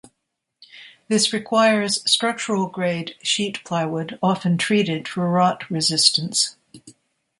This requires structural grade sheet plywood, often treated for rot resistance.